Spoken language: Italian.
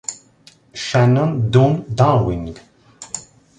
Shannon Dunn-Downing